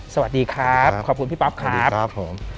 สวัสดีครับขอบคุณพี่ป๊อปครับ